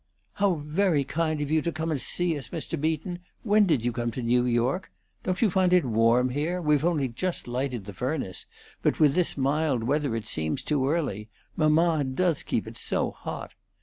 "How very kind of you to come and see us, Mr. Beaton! When did you come to New York? Don't you find it warm here? We've only just lighted the furnace, but with this mild weather it seems too early. Mamma does keep it so hot!"